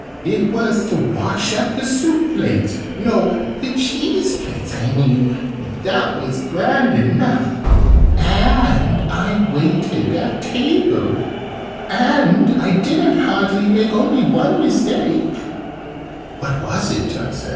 "It was to wash up the soup plates no, the cheese plates I mean that was grand enough. And I waited at table. And I didn't hardly make only one mistake." "What was it?" I said.